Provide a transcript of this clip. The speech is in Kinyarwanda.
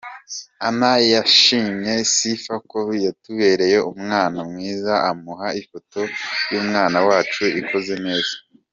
Anna yashimiye Sifa ko yatubereye umwana mwiza, amuha ifoto y’umwana wacu ikoze neza.